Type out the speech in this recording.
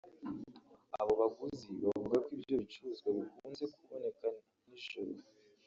Abo baguzi bavuga ko ibyo bicuruzwa bikunze ku boneka mu nijoro